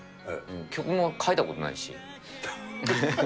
曲も書いたことないし。